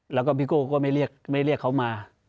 แล้วก็พี่โก้ก็ไม่เรียกเขามา